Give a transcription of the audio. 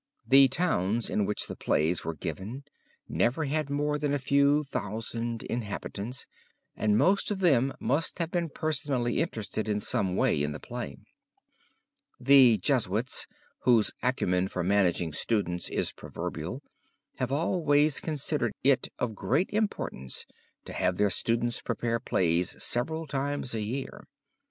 The towns in which the plays were given never had more than a few thousand inhabitants and most of them must have been personally interested in some way in the play. The Jesuits, whose acumen for managing students is proverbial, have always considered it of great importance to have their students prepare plays several times a year.